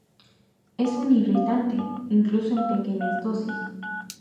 Es un irritante, incluso en pequeñas dosis.